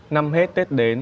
năm hết tết đến